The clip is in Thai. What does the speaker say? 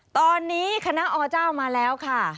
ตอนนี้คณะอเจ้ามาแล้วค่ะ